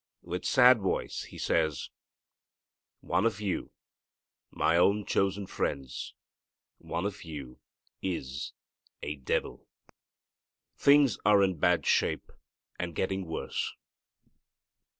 With sad voice He says, "One of you, my own chosen friends, one of you is a devil." Things are in bad shape, and getting worse.